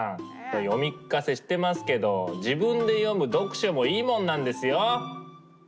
読み聞かせしてますけど自分で読む読書もいいもんなんですよ！